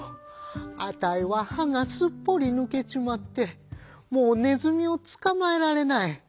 あたいは歯がすっぽり抜けちまってもうねずみを捕まえられない。